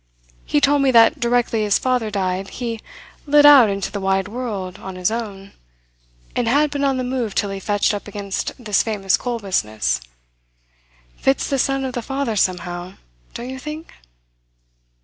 He told me that directly his father died he lit out into the wide world on his own, and had been on the move till he fetched up against this famous coal business. Fits the son of the father somehow, don't you think?"